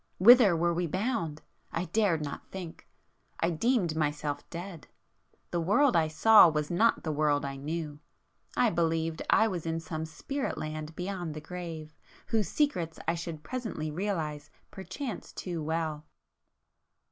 Whither were we bound? I dared not think,—I deemed myself dead. The world I saw was not the world I knew,—I believed I was in some spirit land beyond the grave, whose secrets I should presently realize perchance too well!